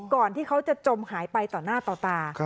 ก่อนที่เขาจะจมหายไปต่อหน้าต่อตา